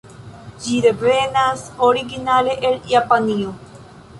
Ĝi devenas originale el Japanio.